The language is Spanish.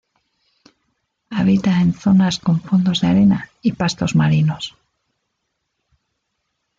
Habita en zonas con fondos de arena y pastos marinos.